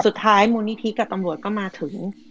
สุดท้ายมูลนิธิกับตำรวจก็มาถึง